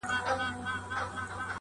یوه ورځ ورسره کېږي حسابونه!!